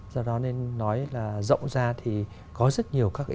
do đó nên nói là rộng ra thì có rất nhiều các cái